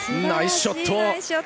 ナイスショット！